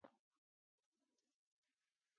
布杰上天将它捉到人间囚禁。